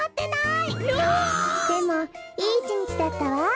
でもいい１にちだったわ。